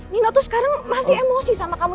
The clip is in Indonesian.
nino tuh sekarang masih emosi sama kamu